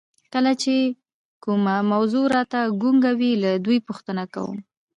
کله چې کومه موضوع راته ګونګه وي له دوی پوښتنه کوم.